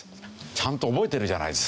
ちゃんと覚えてるじゃないですか。